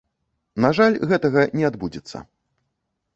На жаль, гэтага не адбудзецца.